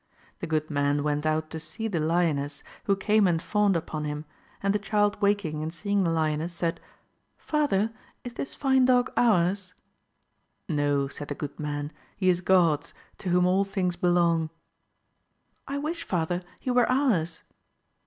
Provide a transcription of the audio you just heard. The good man went out to see the lioness, who came and fawned upon him, and the child waking and seeing the lioness said, Father is this line dog ours % No, said the good man, he is God's, to whom all things belong. — ^I wish father he were ours